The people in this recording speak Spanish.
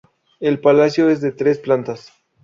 El palacio es de tres plantas.